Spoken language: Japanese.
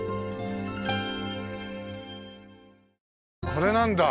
これなんだ。